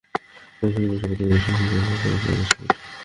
তবে শনিবার সকাল থেকে বেশির ভাগ মাছ মৃত অবস্থায় ভেসে ওঠে।